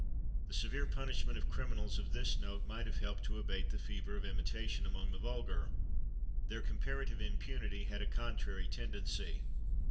The severe punishment of criminals of this note might have helped to abate the fever of imitation among the vulgar; their comparative impunity had a contrary tendency.